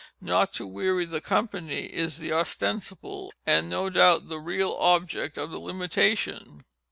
Not to weary the company, is the ostensible, and no doubt the real object of the limitation.